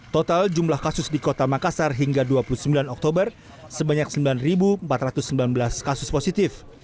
total jumlah kasus di kota makassar hingga dua puluh sembilan oktober sebanyak sembilan empat ratus sembilan belas kasus positif